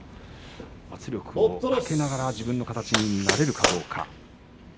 圧力をかけながら自分の形になれるかどうか。